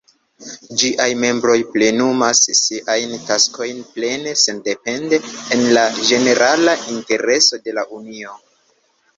Ĝiaj membroj plenumas siajn taskojn plene sendepende, en la ĝenerala intereso de la Unio.